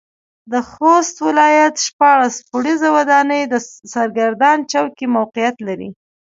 د خوست ولايت شپاړس پوړيزه وداني سرګردان چوک کې موقعيت لري.